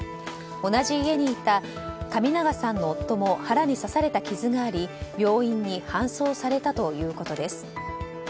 同じ家にいた神長さんの夫も腹に刺された傷があり病院に搬送されたということです。